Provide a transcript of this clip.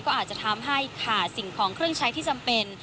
ก็อาจจะทำให้ขาดสิ่งของเครื่องใช้ที่จำเป็น